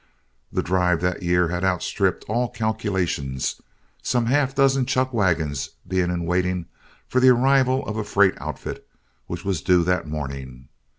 The drive that year had outstripped all calculations, some half dozen chuck wagons being in waiting for the arrival of a freight outfit which was due that morning.